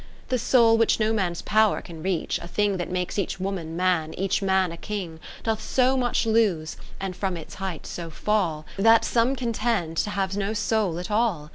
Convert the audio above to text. The soul, which no man's pow'r can reach, a thing That makes each woman man, each man a King, Doth so much lose, and from its height so fall, That some contend to have no soul at all.